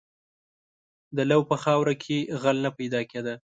• د لو په خاوره کې غل نه پیدا کېده.